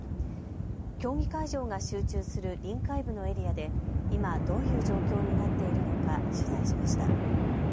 競技会場が集中する臨海部のエリアで今、どういう状況になっているのか取材しました。